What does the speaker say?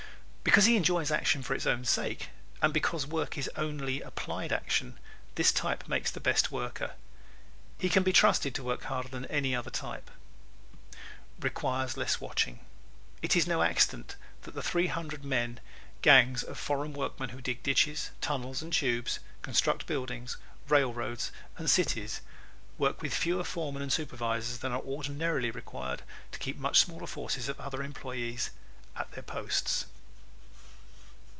Because he enjoys action for its own sake and because work is only applied action, this type makes the best worker. He can be trusted to work harder than any other type. Require Less Watching ¶ It is no accident that the three hundred men gangs of foreign workmen who dig ditches, tunnels and tubes, construct buildings, railroads and cities work with fewer foremen and supervisors than are ordinarily required to keep much smaller forces of other employees at their posts.